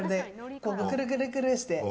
くるくるくるして。